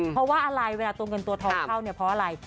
เพราะว่าอะไรเวลาตัวเงินตัวทองเข้าเนี่ยเพราะอะไร